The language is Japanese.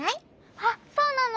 あっそうなの！